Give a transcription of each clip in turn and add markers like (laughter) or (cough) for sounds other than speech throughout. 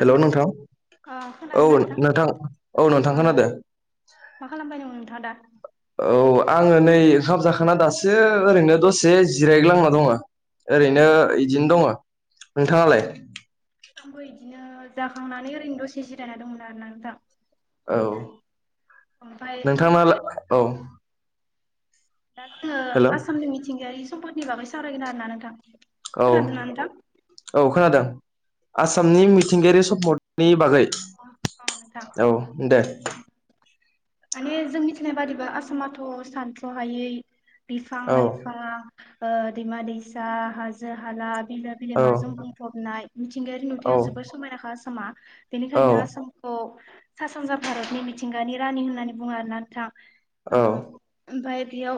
Hello नोंथां अ औ खोनादोंना नोंथां औ अ नोंथां खोनादों, मा खालामबाय दं नोंथाङा दा? औ आङो नै ओंखाम जाखां दासो ओरैनो दसे जिरायग्लांना दङ, ओ ओरैनो इदिनो दङ, नोंथाङालाय आंबो इदिनो जाखांनानै ओरैनो दसे जिरायना दंमोन आरो ना नोंथां, औ ओमफ्राय नोंथालाना औ दा जोङो हेलौ आसामनि मिथिंगायारि सम्पदनि बागै सावरायगोन आरोना नोंथां, औ खोनादोंना नोंथां? औ खोनादों अ आसामनि मिथिंगायारि सम्पद, नि बागै अ नोंथां औ दे माने जों मिथिनाय बादिब्ला आसामाथ' सानथ्रहायै बिफां औ लाइफां, ओ दैमा दैसा हाजो हाला, बिलो औ बिलोमाजों बुंफबनाय मिथिंगायारि औ नुथायाव जोबोर समायनाखा आसामा, बेनिखायनो आसामखौ सा सानजा भारतनि मिथिंगानि रानि होननानै बुङो आरोना नोंथां, ओ औ ओमफ्राय बेयाव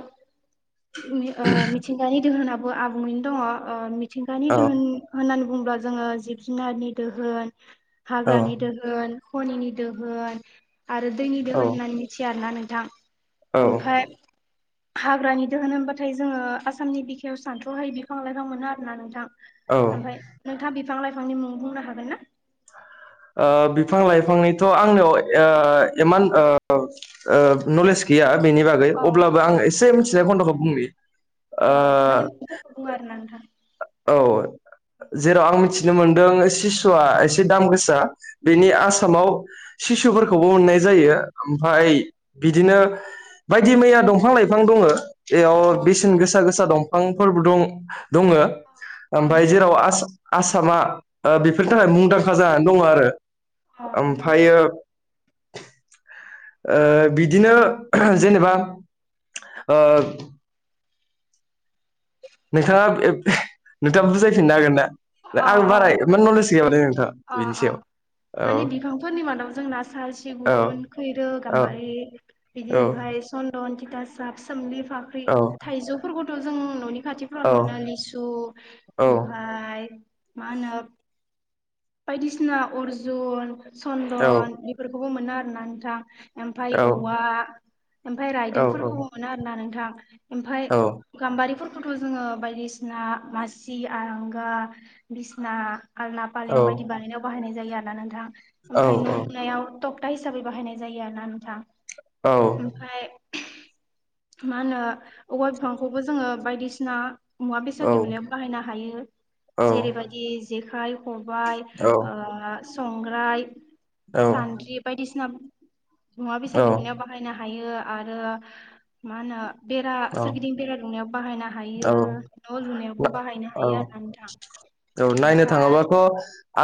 मि ओ मिथिंगानि दोहोनाबो आबुङैनो दङ ओ मिथिंगानि दोहोन होननानै बुङोब्ला जोङो जिब जुनारनि दोहोन, औ हाग्रानि दोहोन खनिनि दोहोन आरो दैनि औ दोहोन होनना, थिया आना नोंथां ओमफाय, हाग्रानि दोहोन होनबाथाय जोङो आसामनि बिखायाव सानथ्रहायै बिफां लाइफां मोनो आरोना नोंथां, ओ ओमफाय नोंथाङा बिफां लाइफांनि मुं बुंनो हागोन ना? ओ बिफां लाइफांनिथ आंनियाव ओ इमान ओ ओ नलेज गैया बेनि बागै अ अब्लाबो आं एसे मिथिनाय खन्दखौ बुंनि अ माने ओ मुंफोरखौ सुन आरोना नोंथां औ अ जेराव आं मिथिनो मोनदों सिसुआ एसे दाम गोसा बेनि अ आसामाव सिसुफोरखौबो मोननाय जायो ओमफाय बिदिनो बायदि मैया दंफां लाइफां दङ बेयाव अ नोंथां बेसेन गोसा गोसा दं। फांफोरबो दं दङो अ ओमफ्राय नोंथां जेराव आसाम आसामा बेफोरनि थाखाय मुंदांखा जानानै दंङ आरो अ नोंथां ओमफायो (inaudible) ओ बिदिनो जेनेबा ओ नोंथाङा एब नोंथाङा बुजायफिननो हागोन ना अ आं बाराय इमान नलेज गैया माने (unintelligible) बिनिसायाव मानि बिफांफोरनि मादाव जों ना साल औ सिगुन खैरो औ गाम्बारि बिदि इनिफाय चन्दन थिथासाब सोमलि फाख्रि औ थाइजौफोरबो दं जों ननि औ खाथिफ्रावनो मोनो लिसु ओमफाय मा होनो बायदिसिना अर्जुन औ चन्दन बेफोरखौबो मोनो आरोना नोंथां ओमफाय औवा ओमफाय औ औ रायदोंफोरखौ मोनो आरो ना नोंथां ओमफाय गाम्बारिफोर खौथ जोंङो बायदिसिना मासि आरांगा बिसिना आलना फालें बायदि बानायनायाव बाहायनाय जायो आरोना नोंथां ओमफाय नुनायाव थकता हिसाबै बाहायनाय जायो आरोना नोंथां ओमफाय मा होनो औवा बिफांखौबो जोंङो बायदिसिना मुवा बेसाद दिहुननायाव बाहायनो हायो जेरैबायदि जेखाय खबाइ ओ संग्राय सान्द्रि बायदिसिना मुवा बेसाद दिहुननायाव बाहायनो हायो आरो मा होनो बेरा सोरगिदिं बेरा दुमनायाव बाहायनो हायो औ न लुनायावबो बाहायनो औ हायो आरोना नोंथां ओमफाय ओ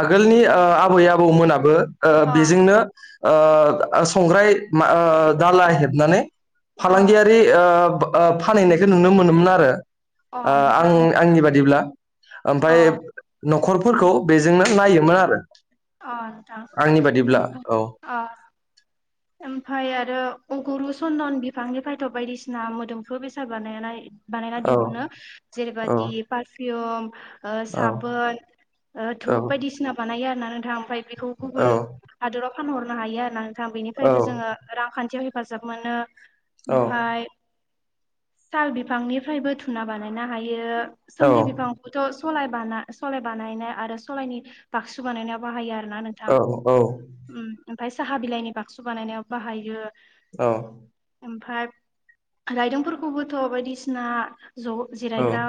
आगोलनि ओ आबै आबौमोनाबो ओ अ बेजोंनो ओ संग्राय मा ओ दाला हेबनानै अ फालांगियारि ओ ओ फानहैनायखौ नुनो मोनोमोन आरो अ ओ आं नोंथां आंनि बादिब्ला अ ओमफाय नखर फोरखौ बेजोंनो नायोमोन आरो। अ नोंथां आंनि बादिब्ला ओमफाय औ ओ ओमफाय आरो अगुरु चन्दन बिफांनिफ्रायथ बायदिसिना मोदोमफ्रु बेसाद बानायनाय बानायना औ दिहुनो औ जेरैबादि पारफिउम ओ औ साबोन ओ औ धुप बायदिसिना बानायो आरोना नोंथां ओमफाय बेखौ औ गुबुन हादोराव फानहरनो हायो आरो ना नोंथां औ बेनिफ्रायबो जोंङो रांखान्थियाव हेफ हेफाजाब मोनो ओमफाय साल बिफांनिफ्रायबो धूना बानायनो हायो औ सोमलि बिफांखौथ' सलाय बाना सलाय बानायनाय आरो सलायनि बाक्सु बानायनायाव बाहायो आरो ना नोंथां औ ओ ओमफाय साहा बिलाइनि बाक्सु बानायनायाव बाहायो। औ ओमफाय रायदोंफोरखौबोथ' बायदिसिना ज' जिरायग्रा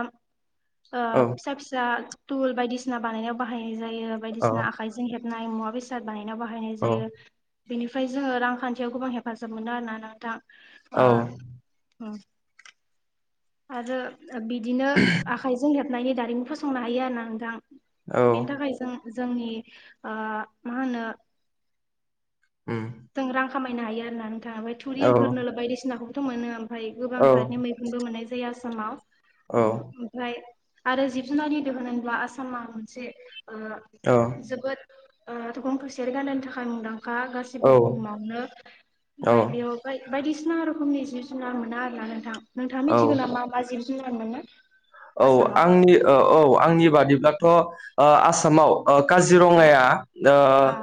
ओ फिसा फिसा तूल बायदिसिना बानायनायाव बाहायनाय जायो। बियो बायदिसिना आखाइजों हेबनाय मुवा बेसाद बानायनायाव बाहायनाय जायो। इनिफ्राय जोंङो रांखान्थियाव गोबां हेफाजाब मोनो आरोना नोंथां औ औ ओ (unintelligible) आरो बिदिनो आखाइजों हेब नायनि दारिमिन फसंनो हायो आरोना नोंथां औ बेनि थाखाय जों जोंनि ओ-मा होनो उम जों रां खा खामायनो हायो आरो नानोंथां ओमफ्राय थुरि एंखोर नोलो बायदिसिनाखौबोथ' मोनो ओमफ्राय गोबां औ जातनि मैखुनबो मोननाय जायो जै आसामाव औ ओमफ्राय आरो जिब जुनार दोहोन होनब्ला आसामा मोनसे ओ ओ औ जोबोद ओ ओ गं थसेआरि गान्दानि थाखाय मुंदांखा औ गासिबो बुहुमावनो औ बायदेव बायदिसिना रोखोमनि जिब जुनार मोना आरो ना नोंथां नोंथाङा औ मिथिगौ ना मा मा जिब जुनार मोनो औ आसामाव आंनि ओ औ आंनि बादिब्लाथ' ओ आसामाव ओ काजिरङाया ओ अ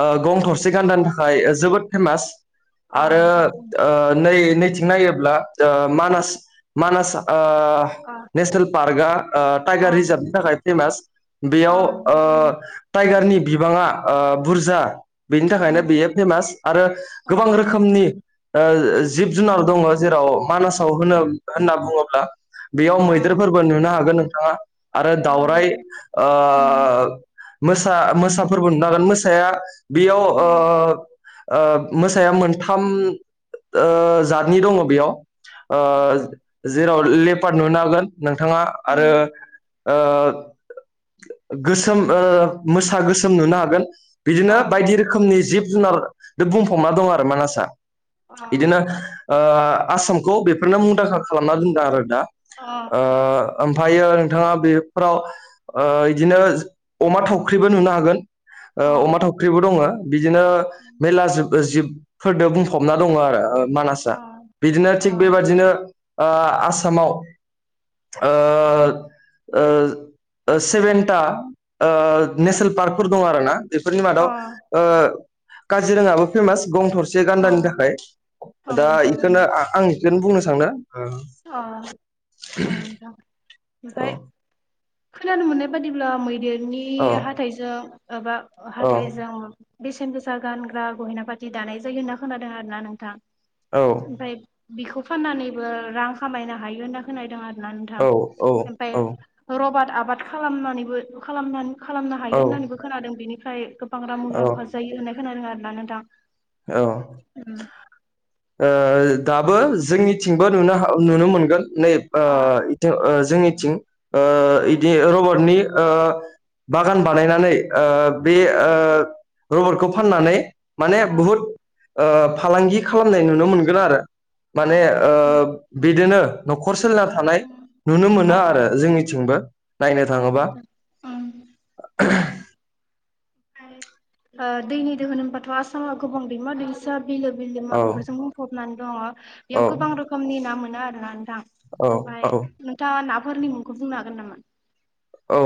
ओ गं थरसे गान्दानि थाखाय जोबोद फेमास अ आरो नोंथां ओ नै नैथिं नायोब्ला ओ मानास मानास आ अ पार्कआ ओ अ टाइगार रिजार्भनि थाखाय फेमास अ बेयाव ओ नोंथां टाइगारनि बिबाङा ओ बुरजा बेनि थाखायनो उम उम बेयो फेमास आरो गोबां अ नोंथां अ रोखोमनि ओ जिब जुनार दङ जेराव मानासाव होनो होनना बुङोब्ला बेयाव मै देरफोरबो नुनो हागोन नोंथाङा आरो दावराय नोंथां ओ ओ उम ओ मोसा मोसाफोरबो नुनो हागोन मोसाया बेयाव ओ उम ओ मोसाया मोनथाम ओ जातनि दङ बेयाव अ ओ नोंथां जेराव लेपार नुनो हागोन नोंथाङा आरो उम ओ गोसोम ओ मोसा गोसोम नुनो हागोन अ बिदिनो बायदि रोखोमनि जिब जुनार दों बुंफबना दं आरो मानासा अ इदिनो ओ आसामखौ बेफोरनो मुंदांखा खालामना दोनदों आरो दा ओ अ ओमफायो नोंथाङा बेफोराव ओ इदिनो अमा थावख्रिबो नुनो हागोन अ ओ अमा थावख्रिबो दङ बिदिनो उम मेरला जिब जिब फोरदो बुंफबना दङ आरो अ मानासआ बिदिनो अ थिग बेबादिनो ओ आसामाव ओ ओ ओ सेबेनता ओ नेसनेल पार्कफोर दं आरोना बेफोरनि अ मादाव ओ काजिरङाबो फेमास गं थरसे अ गान्दानि थाखाय अ दा आं नोंथां इखौनो आं इखोनो बुंनो सानो अ अ नोंथां औ ओमफ्राय खोनानो मोननाय बादिब्ला मैदेरनि औ हाथायजों एबा औ हाथायजों बेसेन गोसा गानग्रा गहेना पाति दानाय जायो होनना खोनादों आरो ना नोंथां ओमफाय बिखौ फाननानैबो रां खामायनो हायो होनना खोनायदों आरो ना नोथां औ औ ओमफाय औ रबाद आबाद खालामनानैबो खालामनानै खालामनो औ हायो होननानैबो खोनादों बिनिफ्राय गोबां रां मुलाम्फा जायो होननाय खोनादों आरोना नोंथां औ ओ उम ओ दाबो जोंनिथिंबो नुनो हा नुनो मोनगोन नै ओ अ ओ जोंनिथिं ओ अ बिदि रबारटनि बागान बानायनानै ओ अ बे ओ रबारखौ फाननानै माने अ बुहुद ओ फालांगि खालामनाय नुनो मोनगोन आरो माने बिदिनो नखर नखर सोलिना थानाय नुनो मोनो आरो जोंनिथिंबो नायनो थाङोबा ओमफ्राय दैनि दोहोन होनबाथ' आसामाव गोबां दैमा दैसा बिलो बिलोमा औ बेफोरजों बुंफबनानै दङ औ बेयाव गोबां रोखोमनि ना मोनो आरोना नोंथां औ औ ओमफ्राय नोंथाङा नाफोरनि मुंखौ बुंनो हागोन नामा औ ओ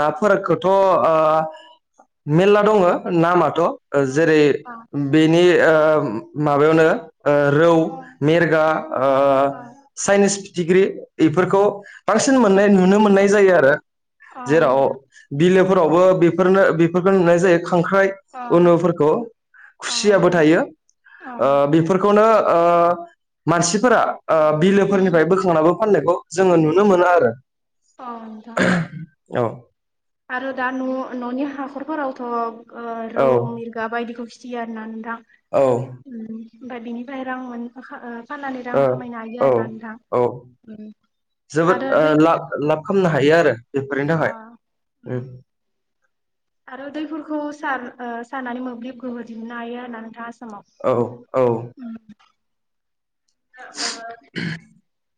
नाफोरखौथ ओ मेरला दङो नामाथ' जेरै बेनि ओ माबायावनो ओ रौ मेरगा ओ साइनिस पिथिग्रि बेफोरखौ बांसिन मोननाय नु जायो आरो जेराव बिलोफोरावबो बेनो बेफोरखौ नुनाय जायो खांख्राइ उनुफोरखौ खुसियाबो थायो बेफोरखौनो ओ मानसिफोरा ओ बिलोफोरनिफ्राय बोखांनो फाननायखौ जोङो नुनो मोनो आरो औ नोंथां औ आरो दा न' न'नि हाखरफोरावथ' औ रौ मिरगा बायदिखौ फि दियाना नोंथां औ ओमफ्राय बेनिफ्राय रां मोन फाननानै रां खामायनो हायो आरो ना नोंथां औ जोबोद आरो दै ला लाब खालामनो हायो आरो बेफोरनि थाखाय अ आरो दैफोरखौ सार सारनानै मोब्लिब गोहो दिहनो हायो होन्ना नोंथाङा औ औ समाव (inaudible)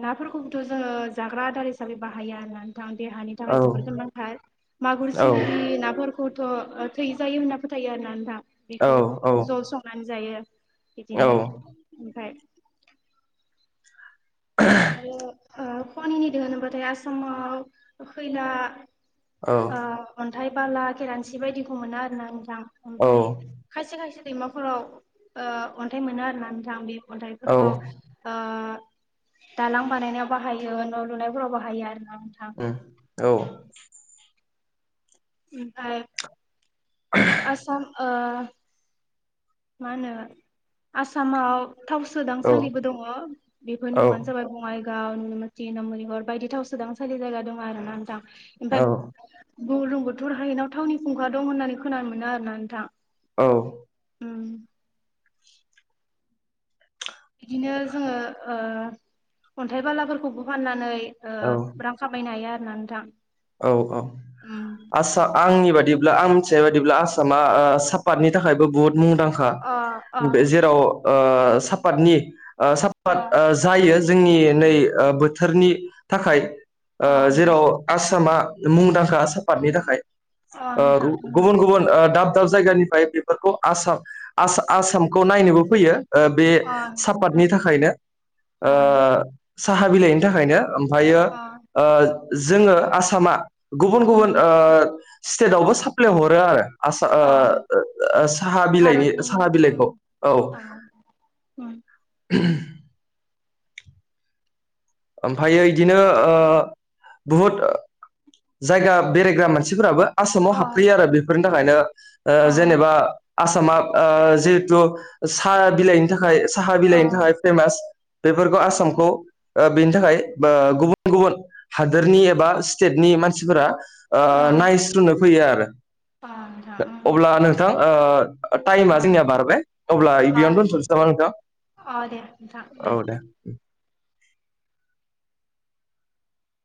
नाफोरखौबोथ' जोङो जाग्रा आदार हिसाबै बाहायो आरो ना देहानि थाखाय औ जोबोद गोनांथार मागुर औ सिंनि ना खौथ' थैजायो होनना फोथायो आरो ना नोंथां दाटट औ बेखौ जल संनानै जायो औ बिदिनो उम ओमफ्राय आरो खनिनि दोन होनबाथाय आसामाव खैला औ अन्थाइ बाला केरानसि बायदिखौ मोनो आरो ना नोंथां औ ओमफ्राय खायसे खायसे दैमाफोराव अन्थाइ मोनो आरो ना नोंथां बे अन्थाइफोरखौ दालां बानायनायाव बाहायो न' लुनायफोराव बाहायो आरो ना नोंथां ओमफ्राय आसाम ओ मा होनो आसामाव थाव सोदांसालिबो दङ बेफोरनि मुङानो जाबाय बङाइ गाव निमथि नमनिगर बायदि थाव सोदांसालि जायगा दं आरो ना नोंथां ओमफ्राय बुरलुंबुथुर हाय थावनि खुंखा दं होननानै खोनानो मोनो आरो ना नोंथां औ उम बिदिनो जोङो अन्थाइ बालाफोरखौबो फाननानै औ रां खामायनो हाया आरो ना नोंथां औ औ उम आसा आंनि बादिब्ला आं मिथिनाय बादिब्ला आ मा अ सापातनि थाखायबो बुहुत मुंदांखा अ जेराव साफादनि अ साफाद जायो जोंनि नै बोथोरनि थाखाय अ नोंथां जेराव आसामा मुंदांखा साफादनि थाखाय अ ओ नोंथां गुबुन गुबुन ओ दाब दाब दाब जायगानिफ्राय बेफोरखौ आसाम आस आसामखौ नायनोबो फैयो ओ बे अ अ सापातनि थाखायनो ओ साहा बिलाइनि थाखायनो ओमफायो अ ओ जोङो आसामा गुबुन उम गुबुन ओ स्टेटावबो साप्लाय हरो आरो आ अ ओ साहा बिलाइनि भारतनिनो साहा बिलाइखौ औ औ (unintelligible) ओमफायो इदिनो बहुत जायगा बेरायग्रा मानसिफोराबो आसामाव अ हाबफैयो आरो बेफोरनि थाखायनो ओ अ जेनेबा आसामा जिहेथु साहा बिलाइनि थाखाय थाखाय साहा अ बिलाइनि थाखाय फेमास बेफोरखौ अ आसामखौ ओ बेनि थाखाय गुबुन गुबुन हादोरनि एबा स्टेटनि मानसिफोरा ओ अ नायस्रुनो फैयो आरो अ नोंथां उम अब्ला नोंथां ओ अ टाइमा जोंनिया बारबाय अब्ला अ बेबियावनो दोनथ'सै नामा नोंथाङां? अ दे नोंथां दे